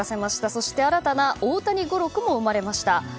そして、新たな大谷語録も生まれました。